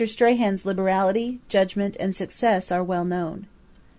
Strahan's liberality, judgement, and success, are well known.